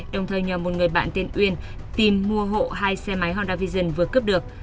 đồng thời nhờ một người bạn tên uyên tìm mua hộ hai xe máy honda vision vừa cướp được